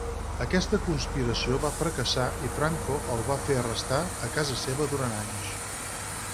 Aquesta conspiració va fracassar i Franco el va fer arrestar a casa seva durant anys.